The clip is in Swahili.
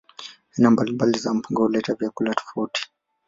Aina mbalimbali za mpunga huleta vyakula tofauti.